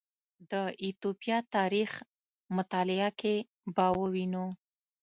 د ایتوپیا تاریخ مطالعه کې به ووینو